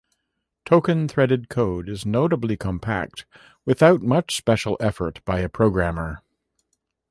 Token threaded code is notably compact, without much special effort by a programmer.